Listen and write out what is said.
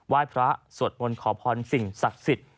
พระสวดมนต์ขอพรสิ่งศักดิ์สิทธิ์